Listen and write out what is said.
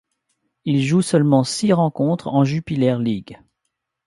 Il joue seulement six rencontres en Jupiler League.